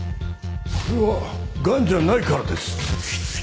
これは癌じゃないからです